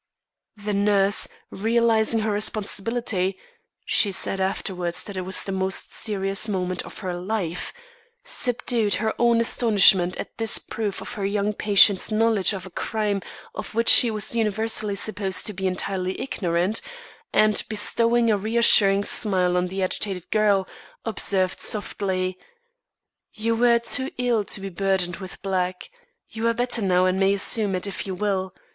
The nurse, realising her responsibility (she said afterwards that it was the most serious moment of her life), subdued her own astonishment at this proof of her young patient's knowledge of a crime of which she was universally supposed to be entirely ignorant, and, bestowing a reassuring smile on the agitated girl, observed softly: "You wore too ill to be burdened with black. You are better now and may assume it if you will.